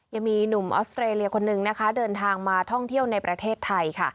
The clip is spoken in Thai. ยังมีหนุ่มออสเตรเลียคนนึงนะคะเดินทางมาท่องเที่ยวในประเทศไทยค่ะ